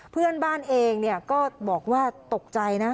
เพื่อนบ้านเองก็บอกว่าตกใจนะ